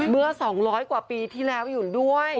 เมื่อ๒๐๐กว่าปีที่แล้วอยู่ด้วย